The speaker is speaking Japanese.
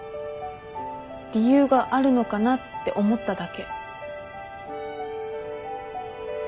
理由があるのかなって思っただけ。